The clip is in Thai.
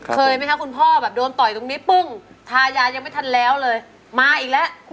เคยไหมคะคุณพ่อแบบโดนต่อยตรงนี้ปึ้งทายายังไม่ทันแล้วเลยมาอีกแล้ว